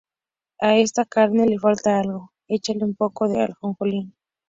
A esta carne le falta algo, échale un poco de ajilimójili